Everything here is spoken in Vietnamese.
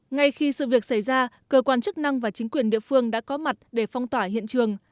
ngay khi sự việc xảy ra cơ quan chức năng và chính quyền địa phương đã có mặt để phong tỏa hiện trường